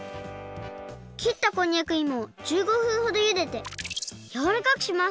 きったこんにゃくいもを１５分ほどゆででやわらかくします